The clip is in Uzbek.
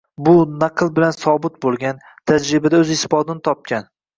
Bu, naql bilan sobit bo‘lgan, tajribada o‘z isbotini topgan.